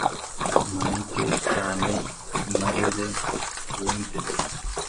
Mpanike cyane i Marebe bumve